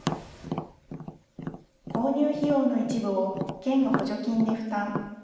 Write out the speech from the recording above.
購入費用の一部を県が補助金で負担。